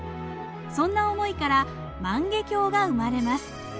そんな思いから「万華鏡」が生まれます。